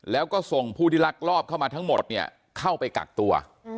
แล้วก็ส่งผู้ที่ลักลอบเข้ามาทั้งหมดเนี่ยเข้าไปกักตัว